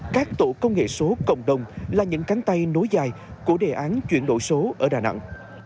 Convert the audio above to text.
các tổ công nghệ số cộng đồng là những cánh tay nối dài của đề án chuyển đổi số ở đà nẵng